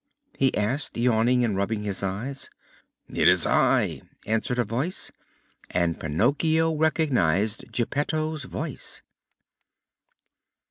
he asked, yawning and rubbing his eyes. "It is I!" answered a voice. And Pinocchio recognized Geppetto's voice.